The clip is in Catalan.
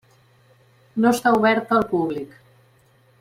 No està oberta al públic.